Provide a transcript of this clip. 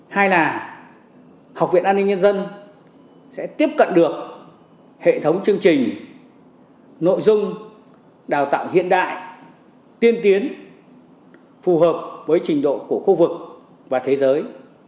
hai là học viện an ninh nhân dân sẽ tiếp cận được hệ thống chương trình nội dung đào tạo hiện đại tiên tiến phù hợp với trình độ của khu vực và thế giới